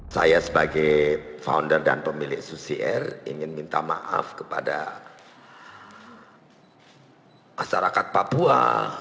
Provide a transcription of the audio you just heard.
saya sebagai founder dan pemilik susi air ingin minta maaf kepada masyarakat papua